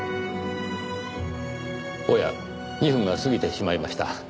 おや２分が過ぎてしまいました。